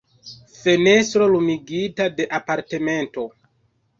Fenestro lumigita de apartamento.